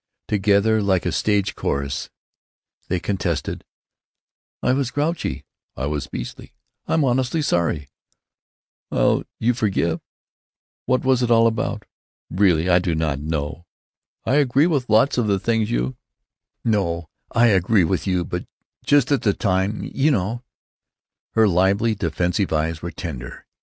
Together, like a stage chorus, they contested: "I was grouchy——" "I was beastly——" "I'm honestly sorry——" "'ll you forgive——" "What was it all about?" "Really, I do—not—know!" "I agree with lots of the things you——" "No, I agree with you, but just at the time—you know." Her lively, defensive eyes were tender.